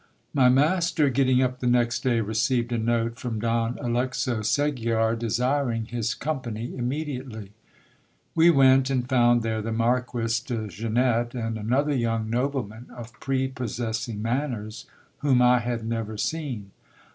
My master getting up the next day, received a note from Don Alexo Segiar, desiring his company immediately. We went, and found there the Marquis de Zenette, and another young nobleman of prepossessing manners, whom I had never seen.